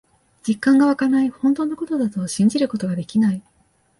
実感がわかない。本当のことだと信じることができない。